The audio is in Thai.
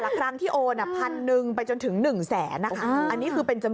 แล้วก็เอ๊ะสงสัยก็เลยนำเลขบัญชีสามชื่อสองบัญชีไปตรวนสอบนะคะ